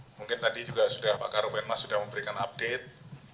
mungkin tadi juga pak karupen mas sudah memberikan update